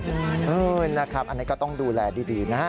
เออนะครับอันนี้ก็ต้องดูแลดีนะฮะ